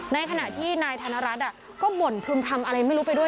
ในขณะที่นายธนรัฐก็บ่นพรุมพรรมอะไรไม่รู้ไปด้วย